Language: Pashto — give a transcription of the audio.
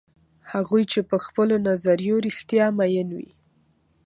هغوی چې په خپلو نظریو رښتیا میین وي.